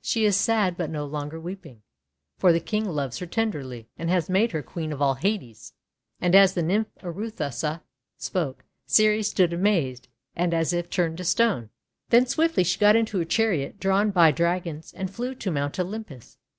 She is sad but no longer weeping, for the King loves her tenderly, and has made her Queen of all Hades." And as the Nymph Arethusa spoke, Ceres stood amazed, and as if turned to stone. Then swiftly she got into her chariot drawn by Drag ons, and flew to Mount Olympus.